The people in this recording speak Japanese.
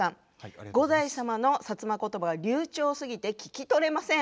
五代様の薩摩ことばは流ちょうすぎて聞き取れません。